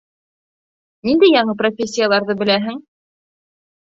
Ниндәй яңы профессияларҙы беләһең?